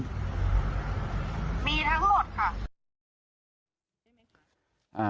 มีทั้งหมดค่ะ